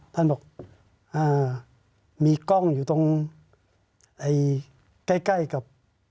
ท่านบอกมีกล้องอยู่ตรงใกล้กับ